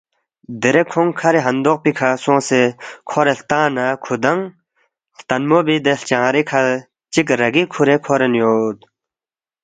دیرے کھونگ کَھری ہندوق پیکھہ سونگسے کھورے ہلتا نہ کُھودانگ ہلتنمو بے دے ہلچنگری کھہ چِک رَگی کُھورے کھورین یود